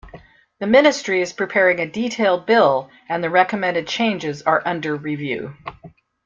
The ministry is preparing a detailed bill and the recommended changes are under review.